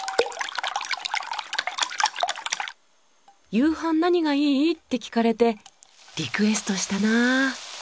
「夕飯何がいい？」って聞かれてリクエストしたなあ。